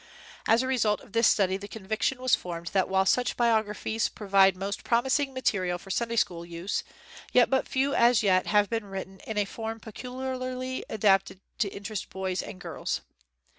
As a result of this study the conviction was formed that while such biographies provide most promising material for Sunday school use, yet but few as yet have been written in a form peculiarly adapted to interest boys and girls.